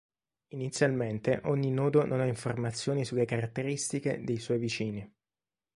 Inizialmente, ogni nodo non ha informazioni sulle caratteristiche dei suoi vicini.